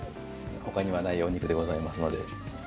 ほかにはないお肉でございますので。